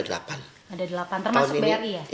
ada delapan termasuk bri ya